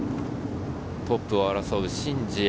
トップを争うシン・ジエ。